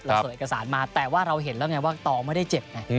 เสิร์ตเอกสารมาแต่ว่าเราเห็นแล้วไงว่าตองไม่ได้เจ็บไง